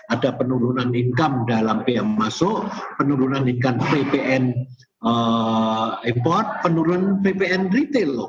ada penurunan income dalam pm masuk penurunan incon ppn effort penurunan ppn retail